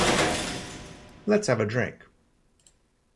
Let’s have a drink.